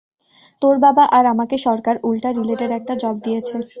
তোর বাবা আর আমাকে সরকার উল্কা রিলেটেড একটা জব দিয়েছে।